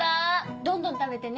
どんどん食べてね。